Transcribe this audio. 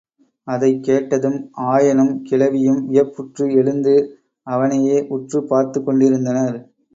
அதைக் கேட்டதும், ஆயனும் கிழவியும் வியப்புற்று எழுந்து, அவனையே உற்றுப் பார்த்துக்கொண்டிருந்தனர்.